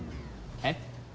えっ？